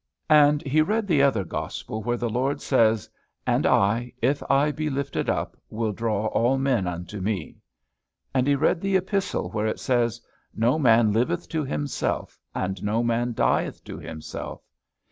And he read the other gospel where the Lord says, "And I, if I be lifted up, will draw all men unto me." And he read the epistle where it says, "No man liveth to himself, and no man dieth to himself."